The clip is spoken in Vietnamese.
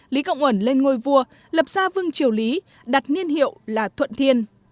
lý cộng uẩn lên ngôi vua lập ra vương triều lý đặt niên hiệu là thuận thiên